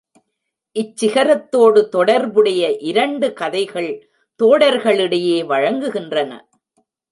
இச் சிகரத்தோடு தொடர்புடைய இரண்டு கதைகள் தோடர்களிடையே வழங்குகின்றன.